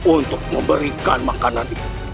untuk memberikan makanan ini